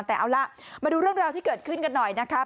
แต่เอาล่ะมาดูเรื่องราวที่เกิดขึ้นกันหน่อยนะคะ